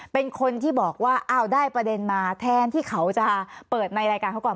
เป็นคนที่บอกว่าอ้าวได้ประเด็นมาแทนที่เขาจะเปิดในรายการเขาก่อน